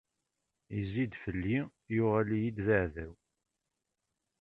Izzi-d fell-i, yuɣal-iyi-d d aɛdaw.